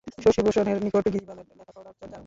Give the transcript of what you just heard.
শশিভূষণের নিকট গিরিবালার লেখাপড়ার চর্চা আরম্ভ হইল।